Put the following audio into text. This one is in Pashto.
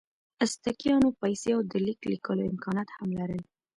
ازتکیانو پیسې او د لیک لیکلو امکانات هم لرل.